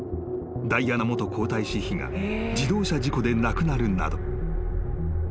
［ダイアナ元皇太子妃が自動車事故で亡くなるなど］